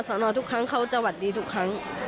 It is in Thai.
ทุกครั้งเขาจะหวัดดีทุกครั้ง